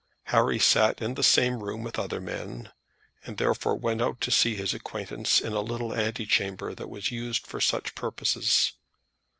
Harry sat in the same room with other men, and therefore went out to see his acquaintance in a little antechamber that was used for such purposes.